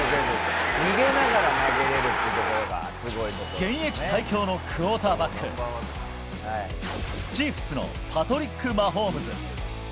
現役最強のクオーターバック、チーフスのパトリック・マホームズ。